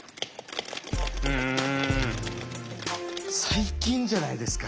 最近じゃないですか。